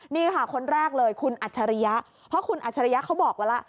นี่ค่ะคนแรกเลยคุณอัจฉริยะเพราะคุณอัจฉริยะเขาบอกไว้แล้ว